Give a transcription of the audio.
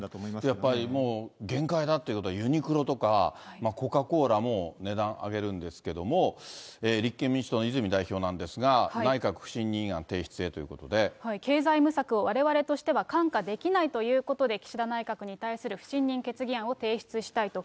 やっぱりもう、限界だっていうことが、ユニクロだとか、コカ・コーラも値段上げるんですけれども、立憲民主党の泉代表なんですが、経済無策をわれわれとしては看過できないということで、岸田内閣に対する不信任決議案を提出したいと。